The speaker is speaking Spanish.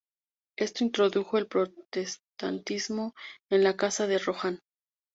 Esto introdujo el protestantismo en la Casa de Rohan.